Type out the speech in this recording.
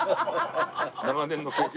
長年の経験。